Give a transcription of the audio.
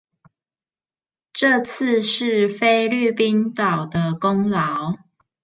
這次是菲律賓島的功勞